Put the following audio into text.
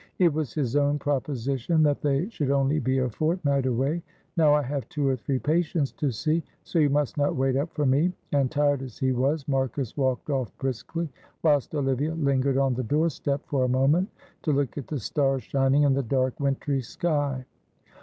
It was his own proposition that they should only be a fortnight away. Now I have two or three patients to see, so you must not wait up for me;" and tired as he was Marcus walked off briskly, whilst Olivia lingered on the doorstep for a moment to look at the stars shining in the dark wintry sky.